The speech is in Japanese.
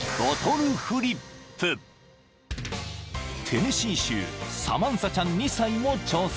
［テネシー州サマンサちゃん２歳も挑戦］